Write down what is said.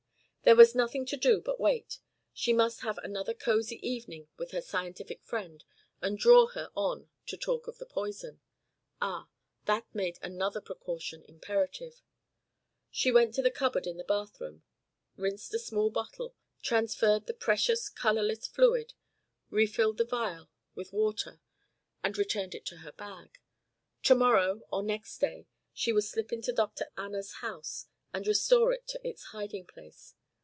There was nothing to do but wait. She must have another cosy evening with her scientific friend and draw her on to talk of the poison. Ah! that made another precaution imperative. She went to the cupboard in the bathroom, rinsed a small bottle, transferred the precious colorless fluid, refilled the vial with water and returned it to her bag. To morrow or next day she would slip into Dr. Anna's house and restore it to its hiding place.